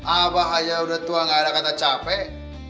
abah aja udah tua gak ada kata capek